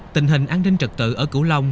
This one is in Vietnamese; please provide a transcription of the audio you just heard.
tình hình an ninh trật tự ở cửu long